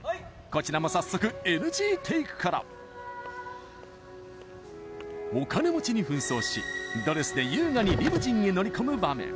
こちらも早速ＮＧテイクからお金持ちに扮装しドレスで優雅にリムジンに乗り込む場面